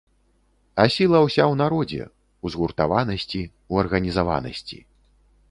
А сіла ўся ў народзе, у згуртаванасці, у арганізаванасці.